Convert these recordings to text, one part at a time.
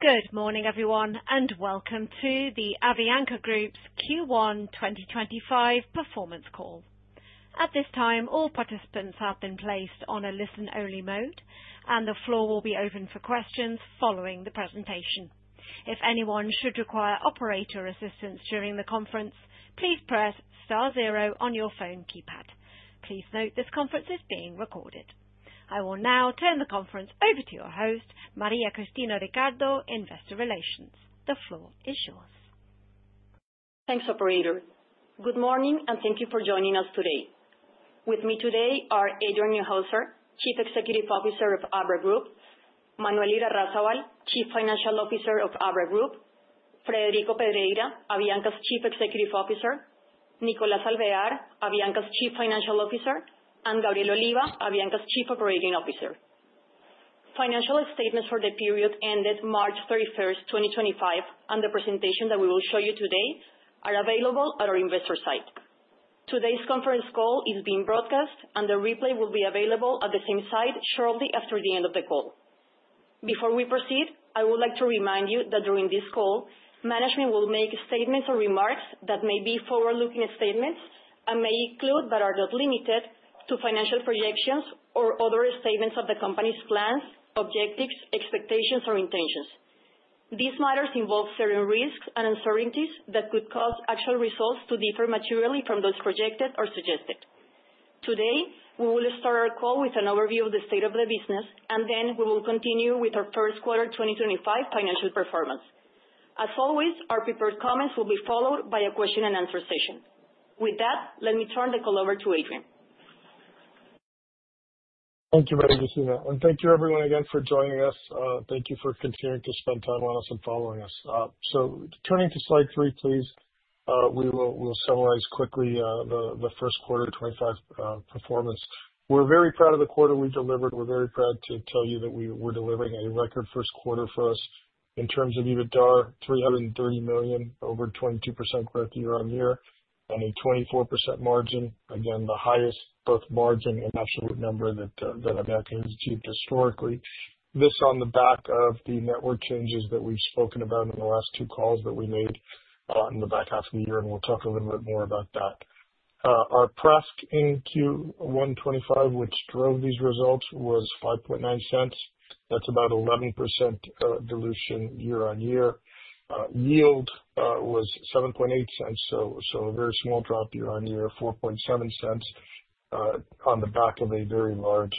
Good morning, everyone, and welcome to the Avianca Group's Q1 2025 Performance Call. At this time, all participants have been placed on a listen-only mode, and the floor will be open for questions following the presentation. If anyone should require operator assistance during the conference, please press star zero on your phone keypad. Please note this conference is being recorded. I will now turn the conference over to your host, María Cristina Ricardo, Investor Relations. The floor is yours. Thanks, Operator. Good morning, and thank you for joining us today. With me today are Adrian Neuhauser, Chief Executive Officer of Abra Group, Manuel Irarrázaval, Chief Financial Officer of Abra Group, Frederico Pedreira, Avianca's Chief Executive Officer, Nicolás Alvear, Avianca's Chief Financial Officer, and Gabriel Oliva, Avianca's Chief Operating Officer. Financial statements for the period ended March 31st, 2025, and the presentation that we will show you today are available at our investor site. Today's conference call is being broadcast, and the replay will be available at the same site shortly after the end of the call. Before we proceed, I would like to remind you that during this call, management will make statements or remarks that may be forward-looking statements and may include but are not limited to financial projections or other statements of the company's plans, objectives, expectations, or intentions. These matters involve certain risks and uncertainties that could cause actual results to differ materially from those projected or suggested. Today, we will start our call with an overview of the state of the business, and then we will continue with our first quarter 2025 financial performance. As always, our prepared comments will be followed by a question-and-answer session. With that, let me turn the call over to Adrian. Thank you, María Cristina, and thank you, everyone, again, for joining us. Thank you for continuing to spend time with us and following us, so turning to slide three, please, we will summarize quickly the first quarter 2025 performance. We're very proud of the quarter we delivered. We're very proud to tell you that we were delivering a record first quarter for us in terms of EBITDA, $330 million, over 22% growth year-on-year, and a 24% margin. Again, the highest both margin and absolute number that Avianca has achieved historically. This on the back of the network changes that we've spoken about in the last two calls that we made in the back half of the year, and we'll talk a little bit more about that. Our PRASK in Q1 2025, which drove these results, was $0.059. That's about 11% dilution year-on-year. Yield was $0.078, so a very small drop year-on-year, $0.047, on the back of a very large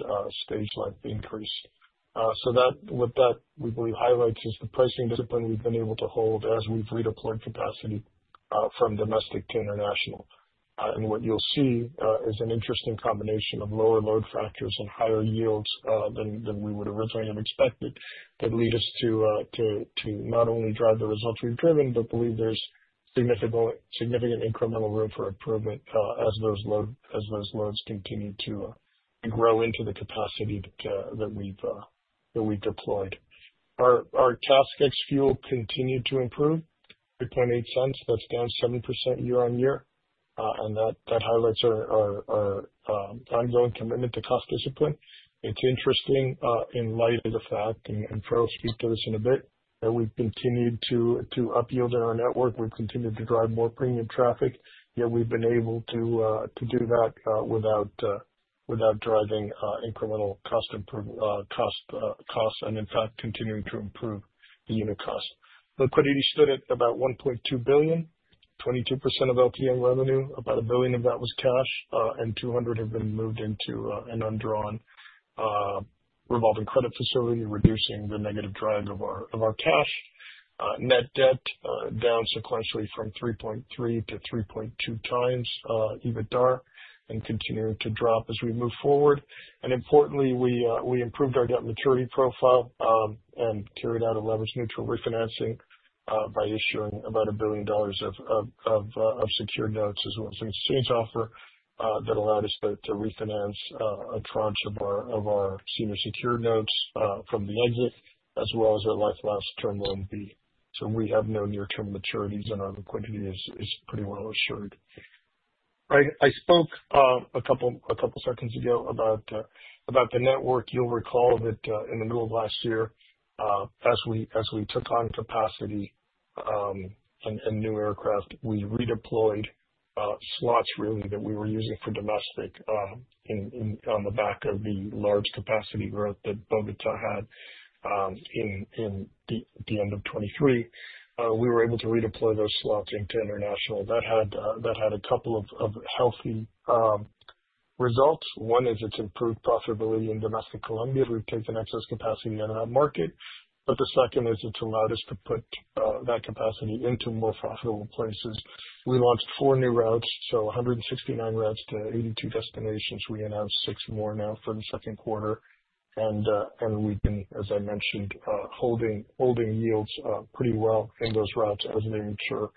stage length increase. So what that, we believe, highlights is the pricing discipline we've been able to hold as we've redeployed capacity from domestic to international. What you'll see is an interesting combination of lower load factors and higher yields than we would originally have expected that lead us to not only drive the results we've driven, but believe there's significant incremental room for improvement as those loads continue to grow into the capacity that we've deployed. Our CASK ex-fuel continued to improve, $0.038. That's down 7% year-on-year. That highlights our ongoing commitment to cost discipline. It's interesting, in light of the fact, and Fred will speak to this in a bit, that we've continued to upyield in our network. We've continued to drive more premium traffic. Yet we've been able to do that without driving incremental costs and, in fact, continuing to improve the unit cost. Liquidity stood at about $1.2 billion, 22% of LTM revenue, about $1 billion of that was cash, and $200 million have been moved into an undrawn revolving credit facility, reducing the negative drag of our cash. Net debt down sequentially from 3.3-3.2 times EBITDA and continuing to drop as we move forward. And importantly, we improved our debt maturity profile and carried out a leverage-neutral refinancing by issuing about $1 billion of secured notes, as well as an exchange offer, that allowed us to refinance a tranche of our senior secured notes from the exit, as well as the last Term Loan B. So we have no near-term maturities, and our liquidity is pretty well assured. I spoke a couple of seconds ago about the network. You'll recall that in the middle of last year, as we took on capacity and new aircraft, we redeployed slots, really, that we were using for domestic on the back of the large capacity growth that Viva had in the end of 2023. We were able to redeploy those slots into international. That had a couple of healthy results. One is it's improved profitability in domestic Colombia. We've taken excess capacity out of that market. But the second is it's allowed us to put that capacity into more profitable places. We launched four new routes, so 169 routes to 82 destinations. We announced six more now for the second quarter. And we've been, as I mentioned, holding yields pretty well in those routes as they mature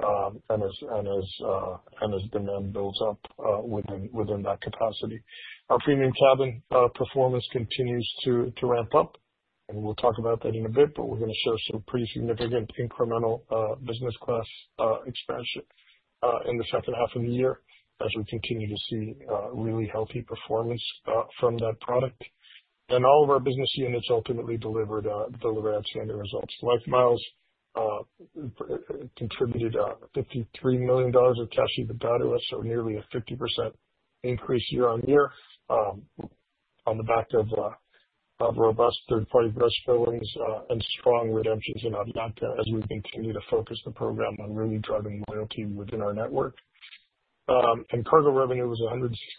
and as demand builds up within that capacity. Our premium cabin performance continues to ramp up. We'll talk about that in a bit, but we're going to show some pretty significant incremental business class expansion in the second half of the year as we continue to see really healthy performance from that product. All of our business units ultimately delivered outstanding results. LifeMiles contributed $53 million of cash EBITDA to us, so nearly a 50% increase year-over-year on the back of robust third-party gross billings and strong redemptions in Avianca as we continue to focus the program on really driving loyalty within our network. Cargo revenue was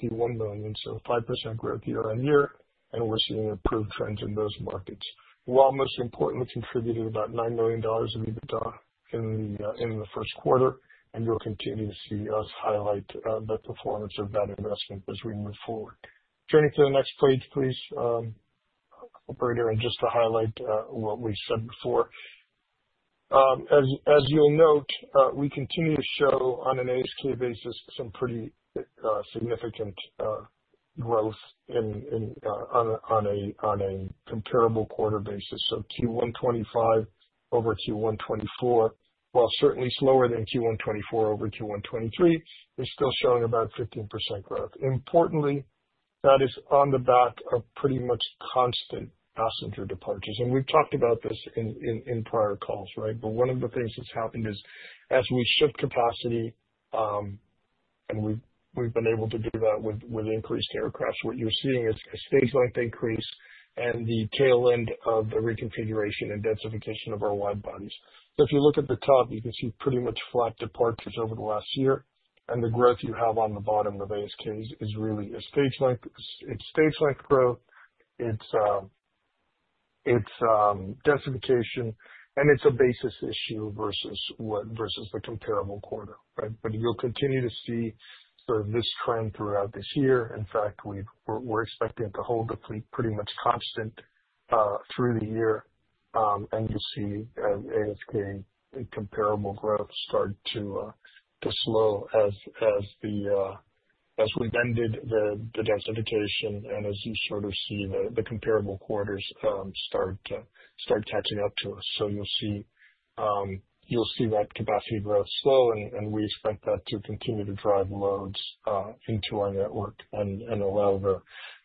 $161 million, so 5% growth year-over-year, and we're seeing improved trends in those markets. Cargo, most importantly, contributed about $9 million of EBITDA in the first quarter, and you'll continue to see us highlight the performance of that investment as we move forward. Turning to the next page, please, operator, and just to highlight what we said before. As you'll note, we continue to show on an ASK basis some pretty significant growth on a comparable quarter basis. So Q1 2025 over Q1 2024, while certainly slower than Q1 2024 over Q1 2023, is still showing about 15% growth. Importantly, that is on the back of pretty much constant passenger departures. And we've talked about this in prior calls, right? But one of the things that's happened is, as we shift capacity, and we've been able to do that with increased aircraft, what you're seeing is a stage length increase and the tail end of the reconfiguration and densification of our wide bodies. So if you look at the top, you can see pretty much flat departures over the last year. The growth you have on the bottom of ASKs is really a stage length. It's stage length growth. It's densification, and it's a basis issue versus the comparable quarter, right? But you'll continue to see sort of this trend throughout this year. In fact, we're expecting it to hold the fleet pretty much constant through the year. And you'll see ASK and comparable growth start to slow as we've ended the densification and as you sort of see the comparable quarters start catching up to us. So you'll see that capacity growth slow, and we expect that to continue to drive loads into our network and allow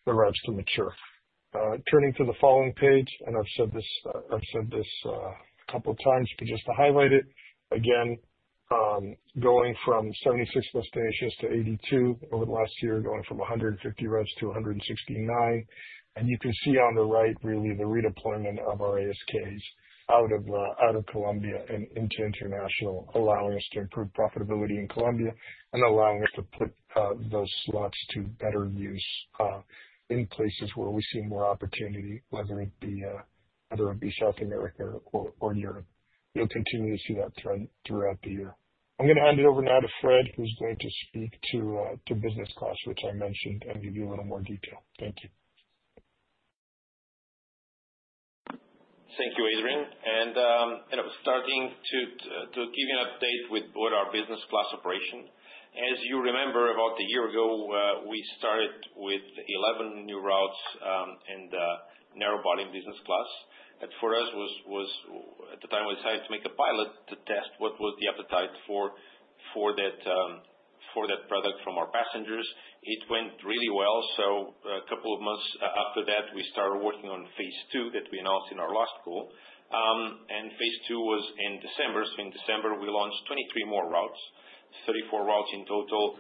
the routes to mature. Turning to the following page, and I've said this a couple of times, but just to highlight it, again, going from 76 destinations to 82 over the last year, going from 150 routes to 169. You can see on the right, really, the redeployment of our ASKs out of Colombia and into international, allowing us to improve profitability in Colombia and allowing us to put those slots to better use in places where we see more opportunity, whether it be South America or Europe. You'll continue to see that trend throughout the year. I'm going to hand it over now to Fred, who's going to speak to business class, which I mentioned, and give you a little more detail. Thank you. Thank you, Adrian. I was starting to give you an update with our Business Class operation. As you remember, about a year ago, we started with 11 new routes and narrow-body in Business Class. That for us was, at the time we decided to make a pilot to test what was the appetite for that product from our passengers. It went really well. A couple of months after that, we started working on phase two that we announced in our last call. Phase two was in December. In December, we launched 23 more routes, 34 routes in total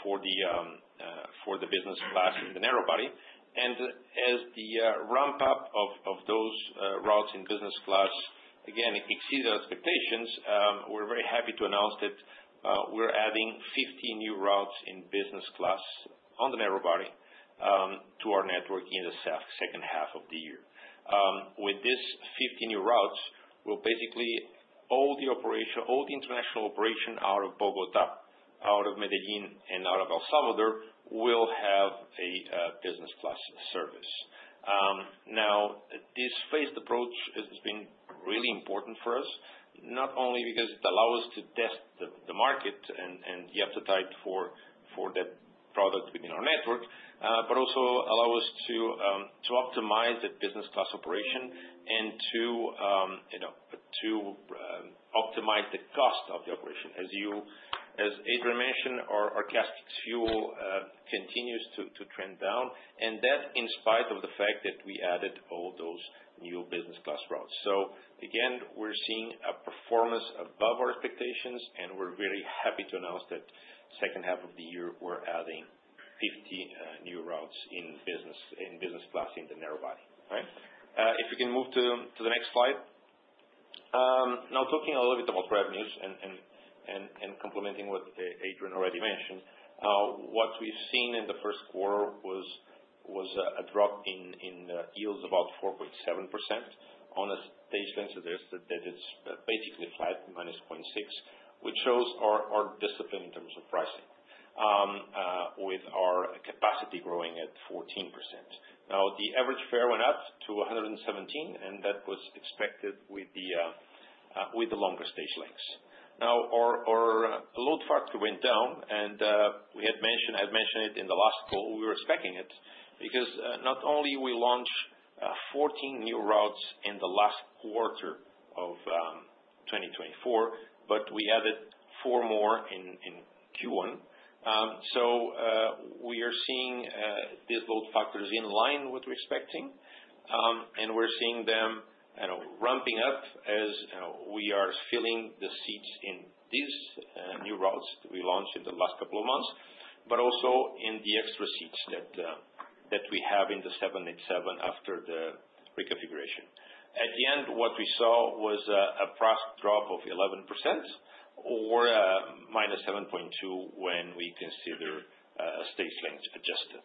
for the Business Class in the narrow-body. As the ramp-up of those routes in business class, again, exceeded expectations, we're very happy to announce that we're adding 50 new routes in business class on the narrow body to our network in the second half of the year. With these 50 new routes, we'll basically hold the international operation out of Bogotá, out of Medellín, and out of El Salvador will have a business class service. Now, this phased approach has been really important for us, not only because it allows us to test the market and the appetite for that product within our network, but also allows us to optimize that business class operation and to optimize the cost of the operation. As Adrian mentioned, our CASK ex-fuel continues to trend down, and that in spite of the fact that we added all those new business class routes. So again, we're seeing a performance above our expectations, and we're very happy to announce that second half of the year, we're adding 50 new routes in Business Class in the narrow body, right? If you can move to the next slide. Now, talking a little bit about revenues and complementing what Adrian already mentioned, what we've seen in the first quarter was a drop in yields of about 4.7% on a stage length-adjusted basis that it's basically flat, minus 0.6%, which shows our discipline in terms of pricing, with our capacity growing at 14%. Now, the average fare went up to $117, and that was expected with the longer stage lengths. Now, our load factor went down, and I had mentioned it in the last call. We were expecting it because not only did we launch 14 new routes in the last quarter of 2024, but we added four more in Q1. So we are seeing these load factors in line with what we're expecting, and we're seeing them ramping up as we are filling the seats in these new routes that we launched in the last couple of months, but also in the extra seats that we have in the 787 after the reconfiguration. At the end, what we saw was a profit drop of 11% or minus 7.2 when we consider stage length adjusted,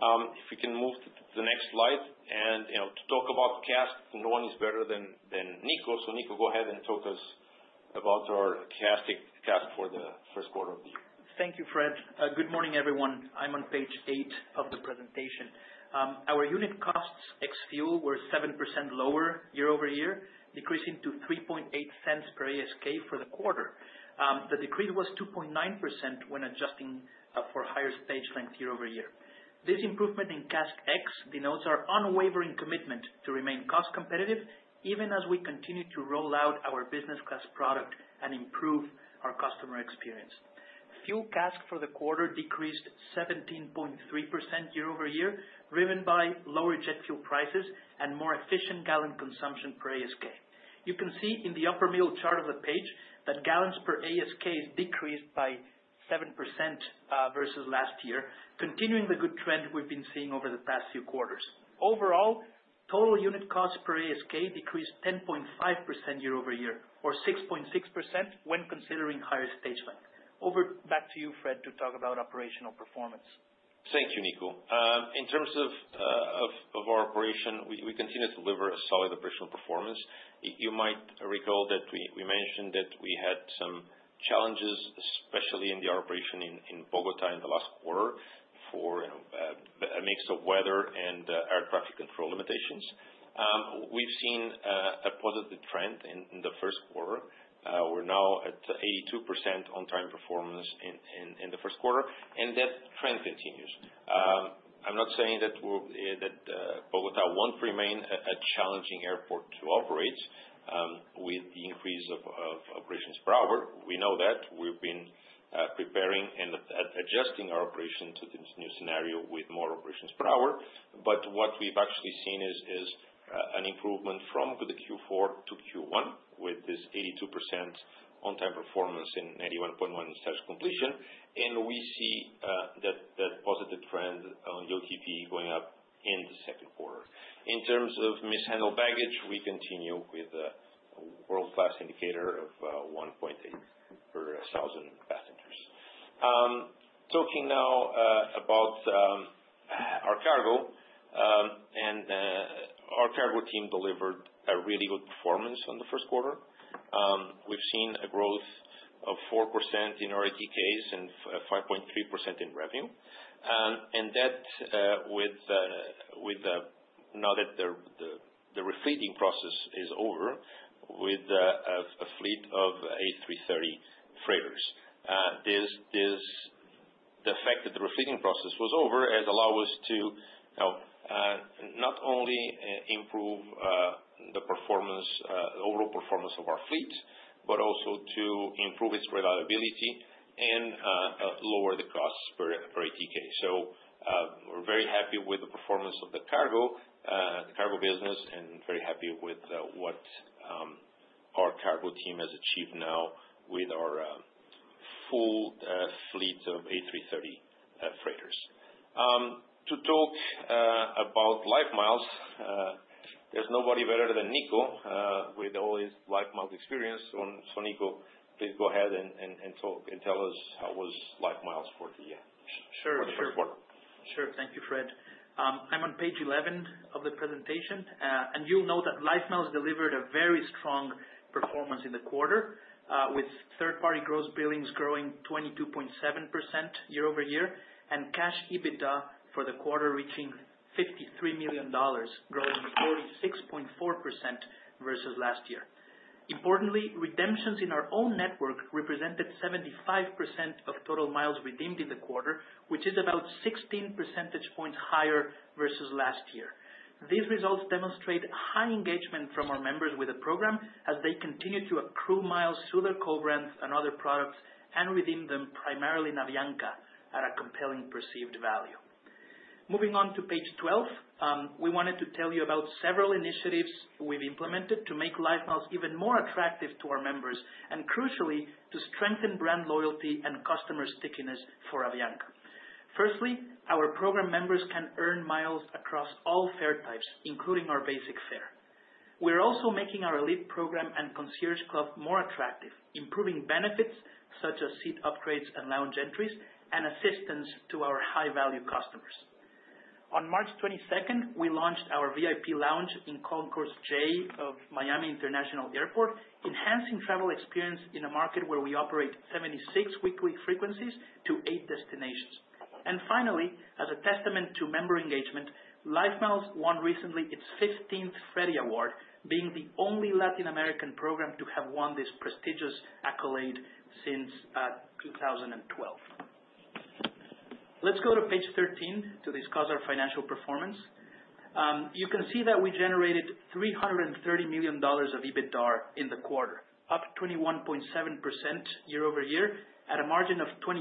right? If you can move to the next slide. And to talk about CASK, no one is better than Nico. So Nico, go ahead and talk to us about our CASK for the first quarter of the year. Thank you, Fred. Good morning, everyone. I'm on page eight of the presentation. Our unit costs ex fuel were 7% lower year-over-year, decreasing to $0.038 per ASK for the quarter. The decrease was 2.9% when adjusting for higher stage length year-over-year. This improvement in CASK ex-fuel denotes our unwavering commitment to remain cost competitive, even as we continue to roll out our business class product and improve our customer experience. Fuel CASK for the quarter decreased 17.3% year-over-year, driven by lower jet fuel prices and more efficient gallon consumption per ASK. You can see in the upper middle chart of the page that gallons per ASK is decreased by 7% versus last year, continuing the good trend we've been seeing over the past few quarters. Overall, total unit costs per ASK decreased 10.5% year-over-year, or 6.6% when considering higher stage length. Over back to you, Fred, to talk about operational performance. Thank you, Nico. In terms of our operation, we continue to deliver a solid operational performance. You might recall that we mentioned that we had some challenges, especially in the operation in Bogotá in the last quarter, for a mix of weather and air traffic control limitations. We've seen a positive trend in the first quarter. We're now at 82% on-time performance in the first quarter, and that trend continues. I'm not saying that Bogotá won't remain a challenging airport to operate with the increase of operations per hour. We know that. We've been preparing and adjusting our operation to this new scenario with more operations per hour. But what we've actually seen is an improvement from the Q4-Q1 with this 82% on-time performance and 81.1% in stage completion, and we see that positive trend on OTP going up in the second quarter. In terms of mishandled baggage, we continue with a world-class indicator of 1.8 per 1,000 passengers. Talking now about our cargo, and our cargo team delivered a really good performance on the first quarter. We've seen a growth of 4% in RTKs and 5.3% in revenue, and that with now that the refleeting process is over with a fleet of A330 freighters. The fact that the refleeting process was over has allowed us to not only improve the overall performance of our fleet, but also to improve its reliability and lower the costs per ATK, so we're very happy with the performance of the cargo business and very happy with what our cargo team has achieved now with our full fleet of A330 freighters. To talk about LifeMiles, there's nobody better than Nico with all his LifeMiles experience. So Nico, please go ahead and talk and tell us how was LifeMiles for the first quarter. Sure. Thank you, Fred. I'm on page 11 of the presentation, and you'll note that LifeMiles delivered a very strong performance in the quarter, with third-party gross billings growing 22.7% year-over-year and cash EBITDA for the quarter reaching $53 million, growing 46.4% versus last year. Importantly, redemptions in our own network represented 75% of total miles redeemed in the quarter, which is about 16 percentage points higher versus last year. These results demonstrate high engagement from our members with the program as they continue to accrue miles through their co-branded and other products and redeem them primarily in Avianca at a compelling perceived value. Moving on to page 12, we wanted to tell you about several initiatives we've implemented to make LifeMiles even more attractive to our members and, crucially, to strengthen brand loyalty and customer stickiness for Avianca. Firstly, our program members can earn miles across all fare types, including our basic fare. We're also making our elite program and concierge club more attractive, improving benefits such as seat upgrades and lounge entries and assistance to our high-value customers. On March 22nd, we launched our VIP lounge in Concourse J of Miami International Airport, enhancing travel experience in a market where we operate 76 weekly frequencies to eight destinations. And finally, as a testament to member engagement, LifeMiles won recently its 15th Freddie Award, being the only Latin American program to have won this prestigious accolade since 2012. Let's go to page 13 to discuss our financial performance. You can see that we generated $330 million of EBITDA in the quarter, up 21.7% year-over-year at a margin of 24%,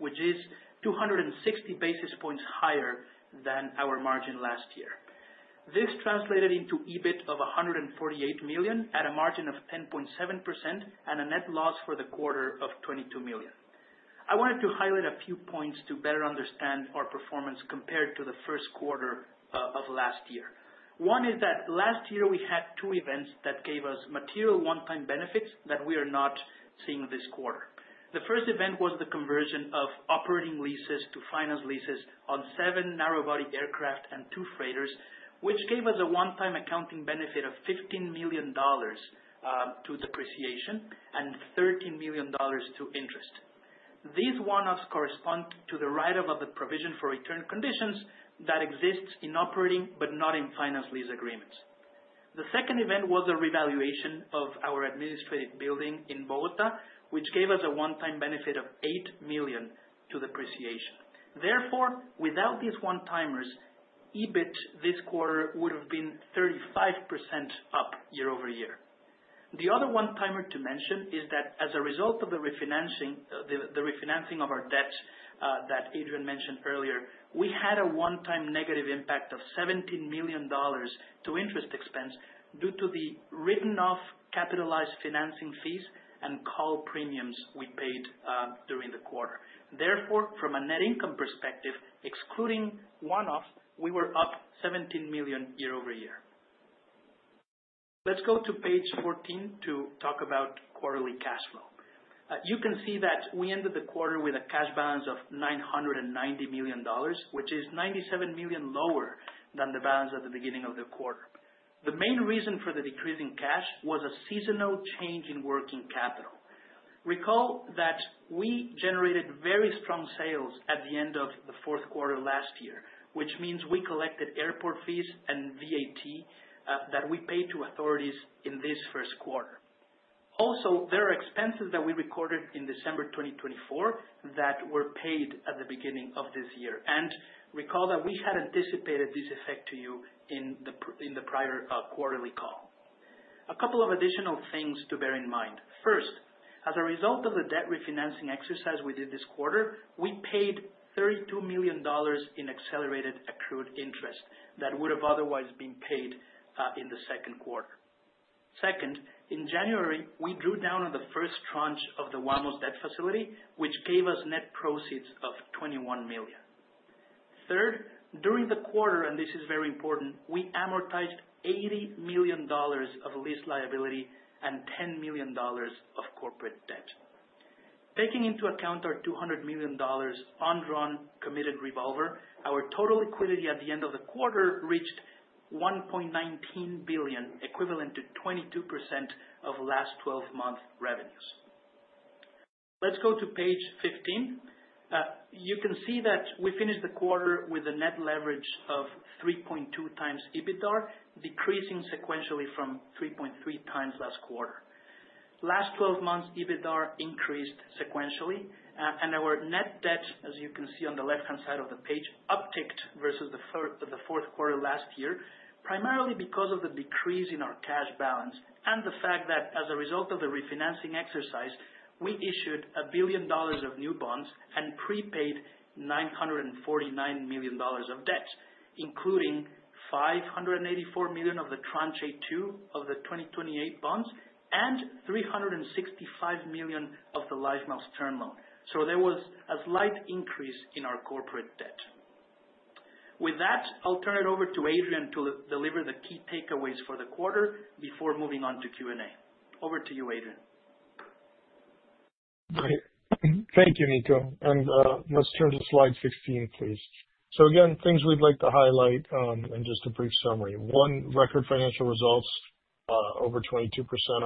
which is 260 basis points higher than our margin last year. This translated into EBIT of $148 million at a margin of 10.7% and a net loss for the quarter of $22 million. I wanted to highlight a few points to better understand our performance compared to the first quarter of last year. One is that last year, we had two events that gave us material one-time benefits that we are not seeing this quarter. The first event was the conversion of operating leases to finance leases on seven narrow-body aircraft and two freighters, which gave us a one-time accounting benefit of $15 million to depreciation and $13 million to interest. These one-offs correspond to the right of the provision for return conditions that exists in operating, but not in finance lease agreements. The second event was a revaluation of our administrative building in Bogotá, which gave us a one-time benefit of $8 million to depreciation. Therefore, without these one-timers, EBIT this quarter would have been 35% up year-over-year. The other one-timer to mention is that as a result of the refinancing of our debt that Adrian mentioned earlier, we had a one-time negative impact of $17 million to interest expense due to the written-off capitalized financing fees and call premiums we paid during the quarter. Therefore, from a net income perspective, excluding one-offs, we were up $17 million year-over-year. Let's go to page 14 to talk about quarterly cash flow. You can see that we ended the quarter with a cash balance of $990 million, which is $97 million lower than the balance at the beginning of the quarter. The main reason for the decrease in cash was a seasonal change in working capital. Recall that we generated very strong sales at the end of the fourth quarter last year, which means we collected airport fees and VAT that we paid to authorities in this first quarter. Also, there are expenses that we recorded in December 2024 that were paid at the beginning of this year. And recall that we had anticipated this effect to you in the prior quarterly call. A couple of additional things to bear in mind. First, as a result of the debt refinancing exercise we did this quarter, we paid $32 million in accelerated accrued interest that would have otherwise been paid in the second quarter. Second, in January, we drew down on the first tranche of the Wamos debt facility, which gave us net proceeds of $21 million. Third, during the quarter, and this is very important, we amortized $80 million of lease liability and $10 million of corporate debt. Taking into account our $200 million undrawn committed revolver, our total liquidity at the end of the quarter reached $1.19 billion, equivalent to 22% of last 12-month revenues. Let's go to page 15. You can see that we finished the quarter with a net leverage of 3.2 times EBITDA, decreasing sequentially from 3.3 times last quarter. Last 12 months, EBITDA increased sequentially, and our net debt, as you can see on the left-hand side of the page, upticked versus the fourth quarter last year, primarily because of the decrease in our cash balance and the fact that, as a result of the refinancing exercise, we issued $1 billion of new bonds and prepaid $949 million of debt, including $584 million of the tranche two of the 2028 bonds and $365 million of the LifeMiles Term Loan. So there was a slight increase in our corporate debt. With that, I'll turn it over to Adrian to deliver the key takeaways for the quarter before moving on to Q&A. Over to you, Adrian. Thank you, Nico. And let's turn to slide 16, please. So again, things we'd like to highlight in just a brief summary. One, record financial results, over 22%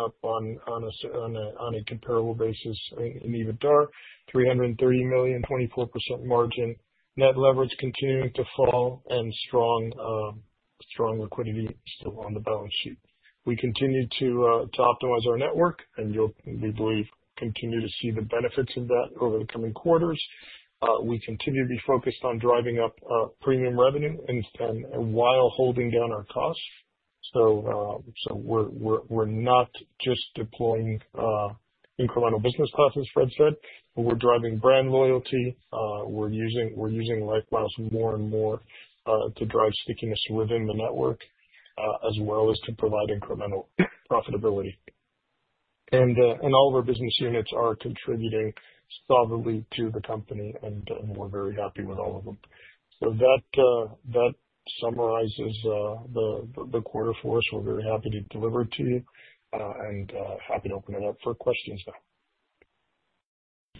up on a comparable basis in EBITDA, $330 million. 24% margin, net leverage continuing to fall, and strong liquidity still on the balance sheet. We continue to optimize our network, and we believe we'll continue to see the benefits of that over the coming quarters. We continue to be focused on driving up premium revenue while holding down our costs. So we're not just deploying incremental business classes, Fred said. We're driving brand loyalty. We're using LifeMiles more and more to drive stickiness within the network, as well as to provide incremental profitability. And all of our business units are contributing solidly to the company, and we're very happy with all of them. So that summarizes the quarter for us. We're very happy to deliver it to you and happy to open it up for questions now.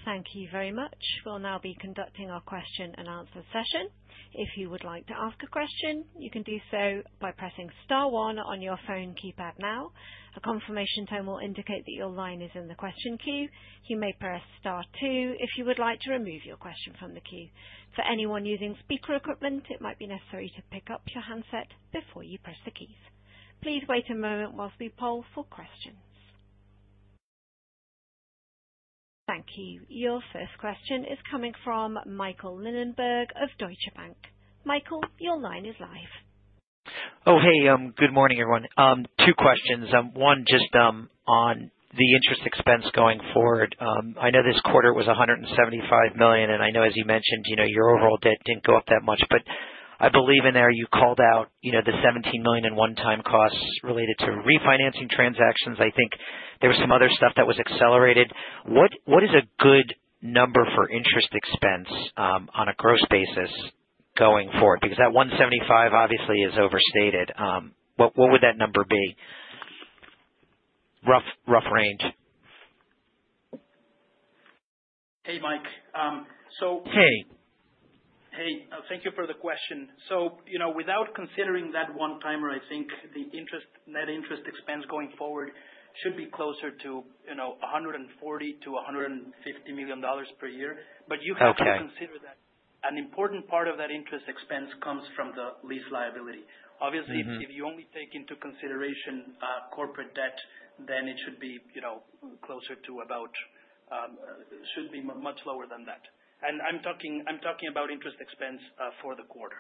Thank you very much. We'll now be conducting our question-and-answer session. If you would like to ask a question, you can do so by pressing star one on your phone keypad now. A confirmation tone will indicate that your line is in the question queue. You may press star two if you would like to remove your question from the queue. For anyone using speaker equipment, it might be necessary to pick up your handset before you press the keys. Please wait a moment while we poll for questions. Thank you. Your first question is coming from Michael Linenberg of Deutsche Bank. Michael, your line is live. Oh, hey. Good morning, everyone. Two questions. One, just on the interest expense going forward. I know this quarter was $175 million, and I know, as you mentioned, your overall debt didn't go up that much. But I believe in there you called out the $17 million in one-time costs related to refinancing transactions. I think there was some other stuff that was accelerated. What is a good number for interest expense on a gross basis going forward? Because that $175, obviously, is overstated. What would that number be? Rough range. Hey, Mike. So. Hey. Hey. Thank you for the question, so without considering that one-timer, I think the net interest expense going forward should be closer to $140 million-$150 million per year. But you have to consider that an important part of that interest expense comes from the lease liability. Obviously, if you only take into consideration corporate debt, then it should be closer to about should be much lower than that, and I'm talking about interest expense for the quarter.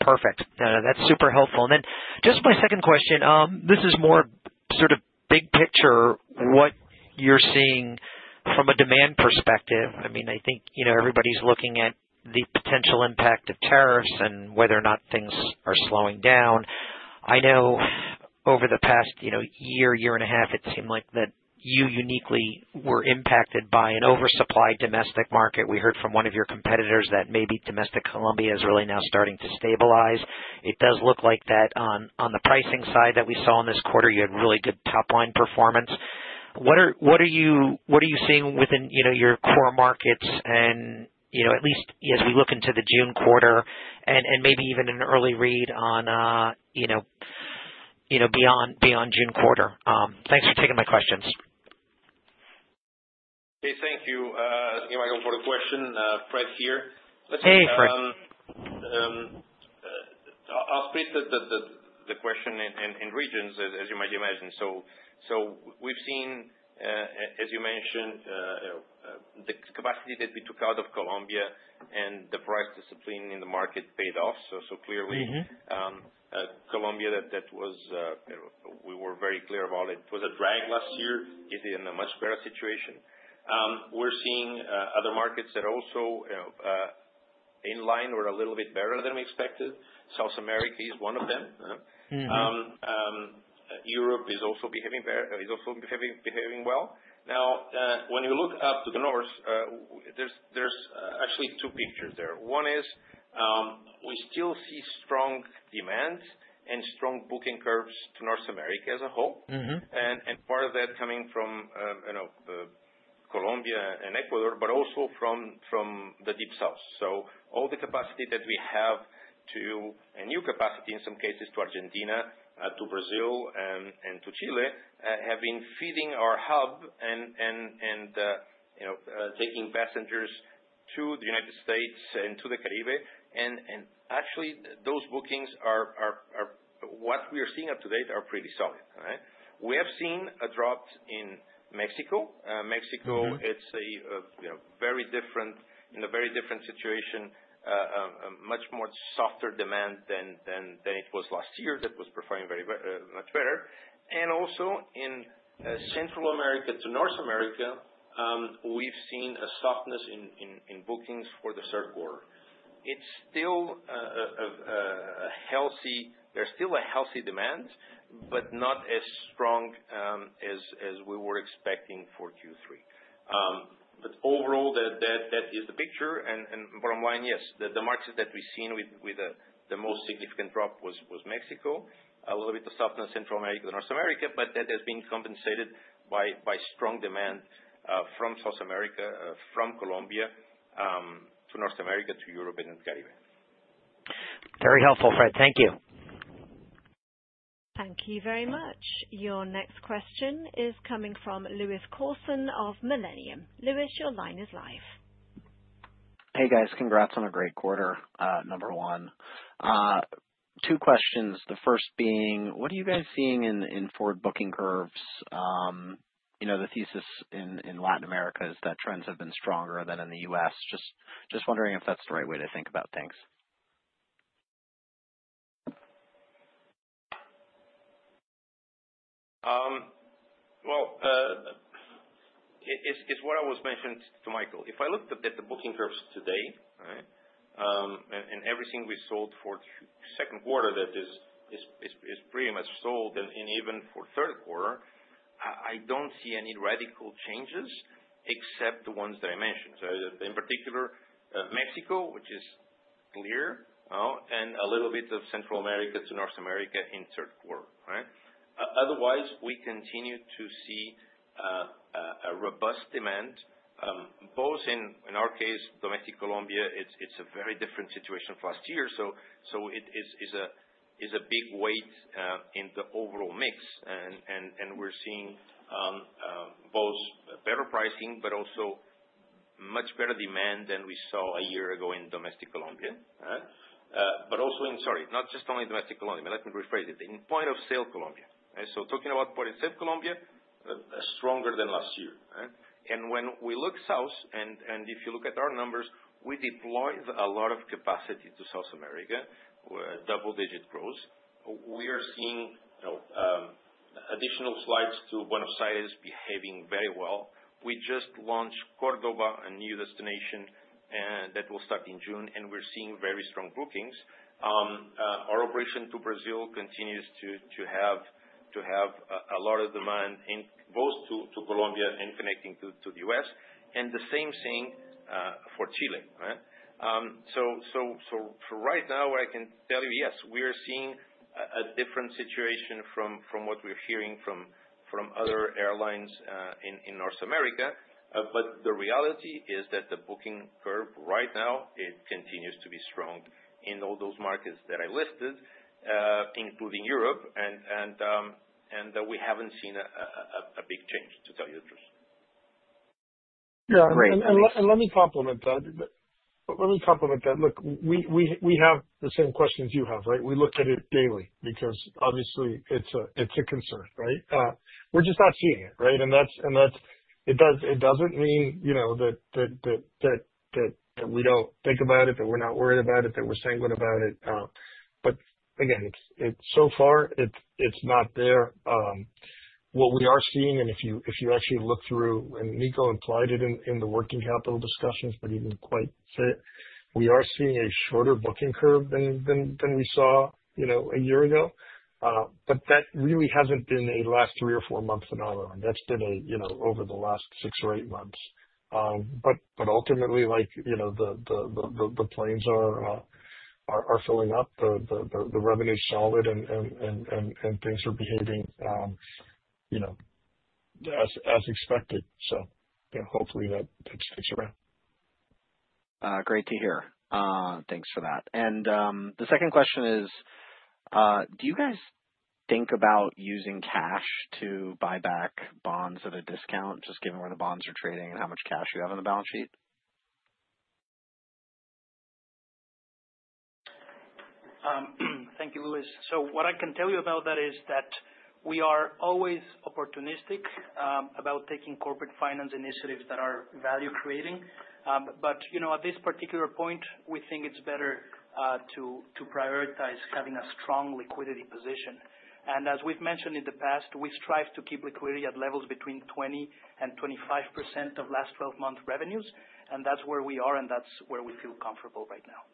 Perfect. That's super helpful. And then just my second question. This is more sort of big picture what you're seeing from a demand perspective. I mean, I think everybody's looking at the potential impact of tariffs and whether or not things are slowing down. I know over the past year, year and a half, it seemed like that you uniquely were impacted by an oversupply domestic market. We heard from one of your competitors that maybe domestic Colombia is really now starting to stabilize. It does look like that on the pricing side that we saw in this quarter, you had really good top-line performance. What are you seeing within your core markets, at least as we look into the June quarter and maybe even an early read on beyond June quarter? Thanks for taking my questions. Hey, thank you, Michael, for the question. Fred here. Let's start. Hey, Fred. I'll split the question in regions, as you might imagine, so we've seen, as you mentioned, the capacity that we took out of Colombia and the price discipline in the market paid off, so clearly, Colombia, that was we were very clear about it. It was a drag last year. It is in a much better situation. We're seeing other markets that are also in line or a little bit better than we expected. South America is one of them. Europe is also behaving well. Now, when you look up to the north, there's actually two pictures there. One is we still see strong demand and strong booking curves to North America as a whole, and part of that coming from Colombia and Ecuador, but also from the Deep South. So all the capacity that we have to a new capacity, in some cases, to Argentina, to Brazil, and to Chile have been feeding our hub and taking passengers to the United States and to the Caribbean. And actually, those bookings are what we are seeing to date are pretty solid. We have seen a drop in Mexico. Mexico, it's a very different in a very different situation, much more softer demand than it was last year that was performing much better. And also in Central America to North America, we've seen a softness in bookings for the third quarter. It's still a healthy demand, but not as strong as we were expecting for Q3. But overall, that is the picture. Bottom line, yes, the markets that we've seen with the most significant drop was Mexico, a little bit of softness Central America to North America, but that has been compensated by strong demand from South America, from Colombia to North America, to Europe and the Caribbean. Very helpful, Fred. Thank you. Thank you very much. Your next question is coming from Lewis Corson of Millennium. Lewis, your line is live. Hey, guys. Congrats on a great quarter, number one. Two questions. The first being, what are you guys seeing in forward booking curves? The thesis in Latin America is that trends have been stronger than in the U.S. Just wondering if that's the right way to think about things. It's what I was mentioning to Michael. If I looked at the booking curves today, and everything we sold for the second quarter that is pretty much sold, and even for third quarter, I don't see any radical changes except the ones that I mentioned. So in particular, Mexico, which is clear, and a little bit of Central America to North America in third quarter. Otherwise, we continue to see a robust demand, both in our case, Domestic Colombia. It's a very different situation from last year. So it is a big weight in the overall mix. We're seeing both better pricing, but also much better demand than we saw a year ago in Domestic Colombia. Also in, sorry, not just only Domestic Colombia. Let me rephrase it. In Point of Sale Colombia. So talking about Point of Sale Colombia, stronger than last year. And when we look south, and if you look at our numbers, we deployed a lot of capacity to South America, double-digit growth. We are seeing additional flights to Buenos Aires behaving very well. We just launched Córdoba, a new destination that will start in June, and we're seeing very strong bookings. Our operation to Brazil continues to have a lot of demand both to Colombia and connecting to the U.S. And the same thing for Chile. So right now, I can tell you, yes, we are seeing a different situation from what we're hearing from other airlines in North America. But the reality is that the booking curve right now, it continues to be strong in all those markets that I listed, including Europe. And we haven't seen a big change, to tell you the truth. Yeah. And let me complement that. Let me complement that. Look, we have the same questions you have, right? We look at it daily because, obviously, it's a concern, right? We're just not seeing it, right? And it doesn't mean that we don't think about it, that we're not worried about it, that we're sanguine about it. But again, so far, it's not there. What we are seeing, and if you actually look through, and Nico implied it in the working capital discussions, but he didn't quite say it, we are seeing a shorter booking curve than we saw a year ago. But that really hasn't been a last three or four month phenomenon. That's been over the last six or eight months. But ultimately, the planes are filling up, the revenue's solid, and things are behaving as expected. So hopefully, that sticks around. Great to hear. Thanks for that and the second question is, do you guys think about using cash to buy back bonds at a discount, just given where the bonds are trading and how much cash you have on the balance sheet? Thank you, Lewis. So what I can tell you about that is that we are always opportunistic about taking corporate finance initiatives that are value-creating. But at this particular point, we think it's better to prioritize having a strong liquidity position. And as we've mentioned in the past, we strive to keep liquidity at levels between 20% and 25% of last 12-month revenues. And that's where we are, and that's where we feel comfortable right now.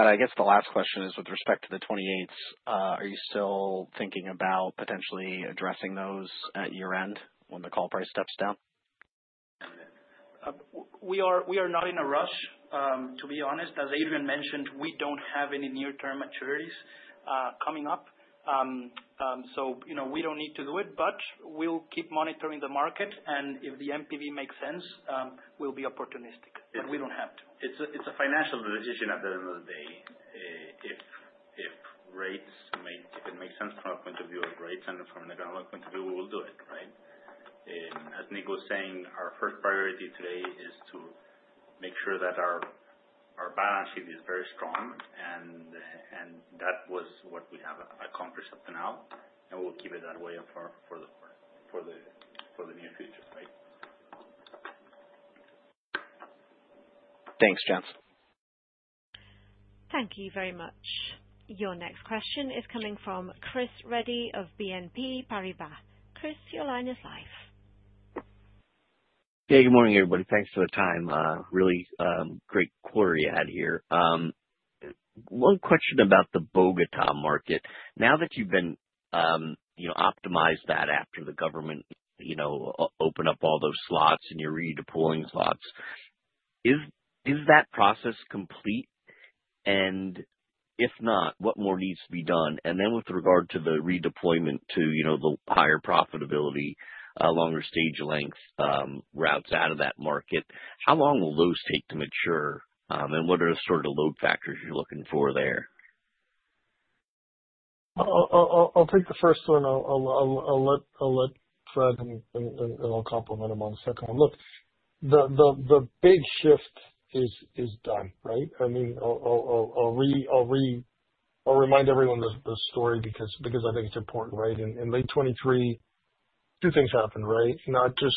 I guess the last question is with respect to the 28th, are you still thinking about potentially addressing those at year-end when the call price steps down? We are not in a rush, to be honest. As Adrian mentioned, we don't have any near-term maturities coming up. So we don't need to do it, but we'll keep monitoring the market. And if the NPV makes sense, we'll be opportunistic. But we don't have to. It's a financial decision at the end of the day. If rates make sense from a point of view of rates and from an economic point of view, we will do it, right? As Nico was saying, our first priority today is to make sure that our balance sheet is very strong. And that was what we have accomplished up to now. And we'll keep it that way for the near future, right? Thanks, gents. Thank you very much. Your next question is coming from Chris Reddy of BNP Paribas. Chris, your line is live. Hey, good morning, everybody. Thanks for the time. Really great query I had here. One question about the Bogotá market. Now that you've optimized that after the government opened up all those slots and you're redeploying slots, is that process complete? And if not, what more needs to be done? And then with regard to the redeployment to the higher profitability, longer stage length routes out of that market, how long will those take to mature? And what are the sort of load factors you're looking for there? I'll take the first one. I'll let Fred, and I'll complement him on the second one. Look, the big shift is done, right? I mean, I'll remind everyone of the story because I think it's important, right? In late 2023, two things happened, right? Not just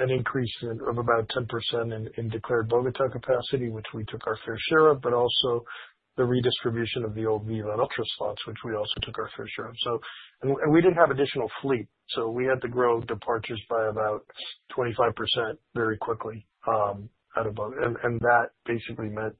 an increase of about 10% in declared Bogotá capacity, which we took our fair share of, but also the redistribution of the old Viva and Ultra slots, which we also took our fair share of. And we didn't have additional fleet. So we had to grow departures by about 25% very quickly out of both. And that basically meant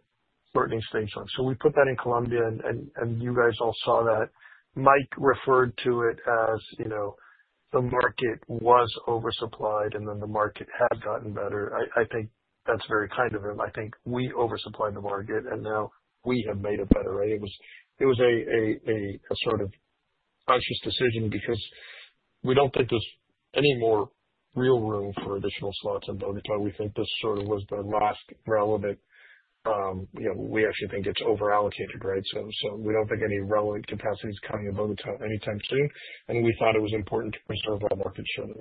shortening stage lengths. So we put that in Colombia, and you guys all saw that. Mike referred to it as the market was oversupplied, and then the market had gotten better. I think that's very kind of him. I think we oversupplied the market, and now we have made it better, right? It was a sort of conscious decision because we don't think there's any more real room for additional slots in Bogotá. We think this sort of was the last relevant we actually think it's overallocated, right? So, we don't think any relevant capacity is coming to Bogotá anytime soon. And we thought it was important to preserve our market share there.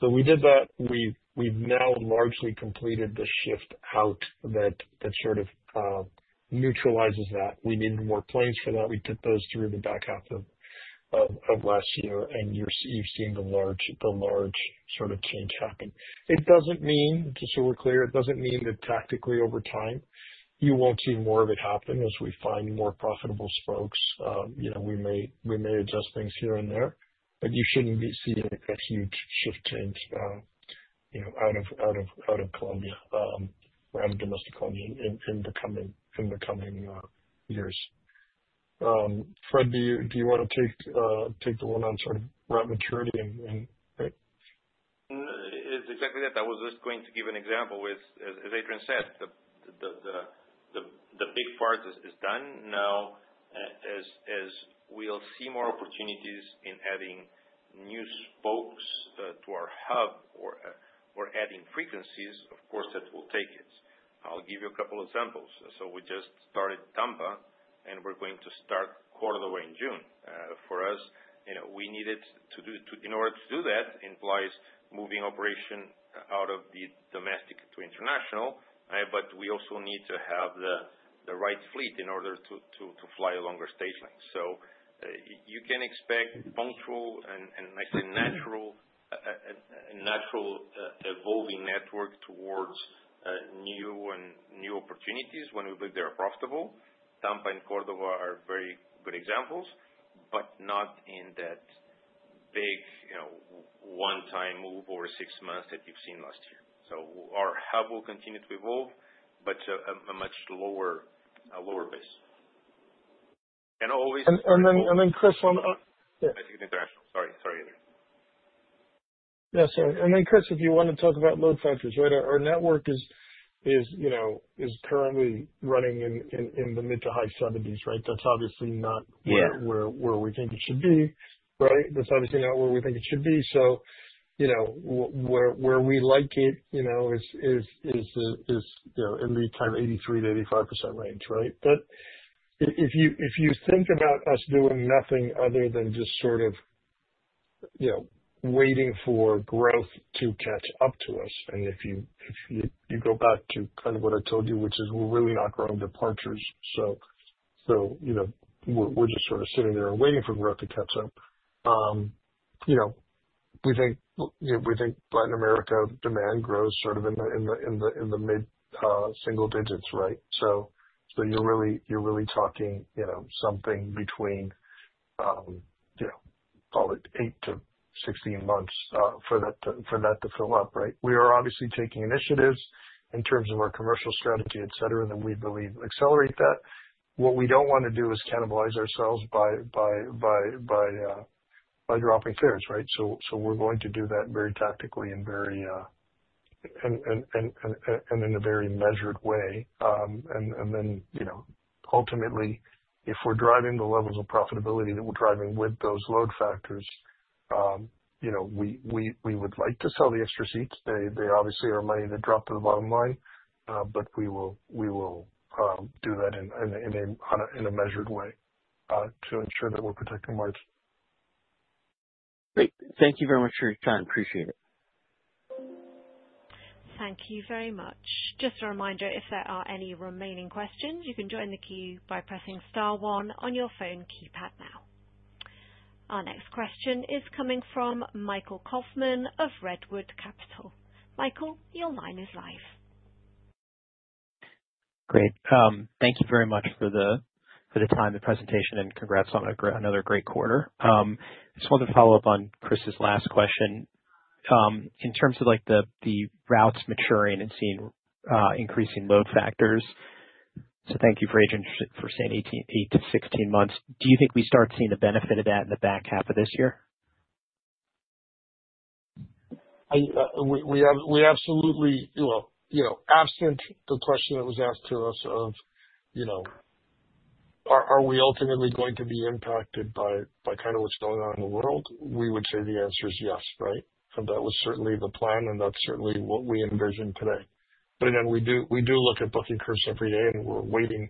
So we did that. We've now largely completed the shift out that sort of neutralizes that. We needed more planes for that. We took those through the back half of last year, and you've seen the large sort of change happen. It doesn't mean, just so we're clear, it doesn't mean that tactically over time, you won't see more of it happen as we find more profitable spokes. We may adjust things here and there, but you shouldn't be seeing a huge shift change out of Colombia or out of domestic Colombia in the coming years. Fred, do you want to take the one on sort of route maturity and? It's exactly that. I was just going to give an example. As Adrian said, the big part is done. Now, as we'll see more opportunities in adding new spokes to our hub or adding frequencies, of course, that will take it. I'll give you a couple of examples. So, we just started Tampa, and we're going to start Córdoba in June. For us, we needed to do in order to do that implies moving operation out of the domestic to international, but we also need to have the right fleet in order to fly a longer stage length. So you can expect incremental and, I say, natural evolving network towards new opportunities when we believe they are profitable. Tampa and Córdoba are very good examples, but not in that big one-time move over six months that you've seen last year. So, our hub will continue to evolve, but a much lower base. And always. And then, Chris, on. Domestic and International. Sorry, Adrian. Yes, sorry. And then, Chris, if you want to talk about load factors, right? Our network is currently running in the mid- to high-70s, right? That's obviously not where we think it should be, right? That's obviously not where we think it should be. So, where we like it is in the kind of 83%-85% range, right? But if you think about us doing nothing other than just sort of waiting for growth to catch up to us, and if you go back to kind of what I told you, which is we're really not growing departures, so we're just sort of sitting there and waiting for growth to catch up, we think Latin America demand grows sort of in the mid-single digits, right? So, you're really talking something between, call it, 8-16 months for that to fill up, right? We are obviously taking initiatives in terms of our commercial strategy, et cetera, that we believe accelerate that. What we don't want to do is cannibalize ourselves by dropping fares, right? So, we're going to do that very tactically and in a very measured way. And then ultimately, if we're driving the levels of profitability that we're driving with those load factors, we would like to sell the extra seats. They obviously are money that dropped to the bottom line, but we will do that in a measured way to ensure that we're protecting markets. Great. Thank you very much for your time. Appreciate it. Thank you very much. Just a reminder, if there are any remaining questions, you can join the queue by pressing star one on your phone keypad now. Our next question is coming from Michael Kaufman of Redwood Capital. Michael, your line is live. Great. Thank you very much for the time, the presentation, and congrats on another great quarter. I just wanted to follow up on Chris's last question. In terms of the routes maturing and seeing increasing load factors, so thank you for saying 8-16 months, do you think we start seeing the benefit of that in the back half of this year? We absolutely, absent the question that was asked to us of, are we ultimately going to be impacted by kind of what's going on in the world, we would say the answer is yes, right? And that was certainly the plan, and that's certainly what we envision today. But again, we do look at booking curves every day, and we're waiting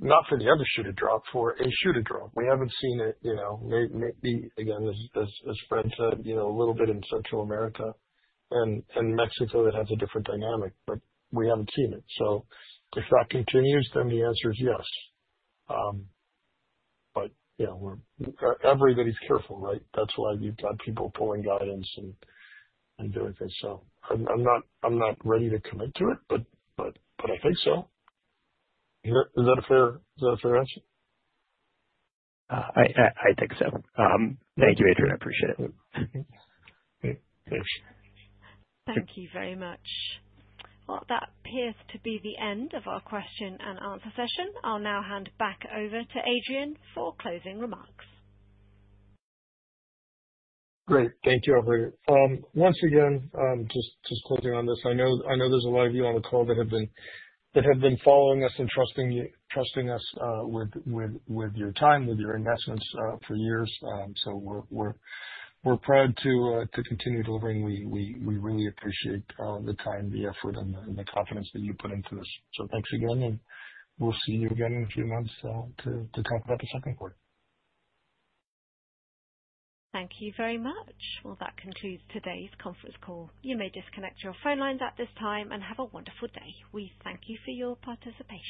not for the other shoe to drop, for a shoe to drop. We haven't seen it, maybe, again, as Fred said, a little bit in Central America and Mexico that has a different dynamic, but we haven't seen it. So, if that continues, then the answer is yes. But everybody's careful, right? That's why you've got people pulling guidance and doing things. So, I'm not ready to commit to it, but I think so. Is that a fair answer? I think so. Thank you, Adrian. I appreciate it. Thanks. Thank you very much. Well, that appears to be the end of our question-and-answer session. I'll now hand back over to Adrian for closing remarks. Great. Thank you, everybody. Once again, just closing on this, I know there's a lot of you on the call that have been following us and trusting us with your time, with your investments for years. So, we're proud to continue delivering. We really appreciate the time, the effort, and the confidence that you put into this. So, thanks again, and we'll see you again in a few months to talk about the second quarter. Thank you very much. Well, that concludes today's conference call. You may disconnect your phone lines at this time and have a wonderful day. We thank you for your participation.